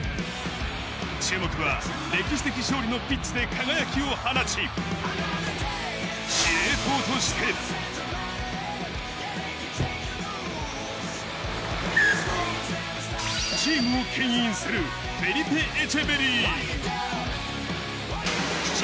注目は歴史的勝利のピッチで輝きを放ち、司令塔として。チームをけん引する、フェリペ・エチェベリー。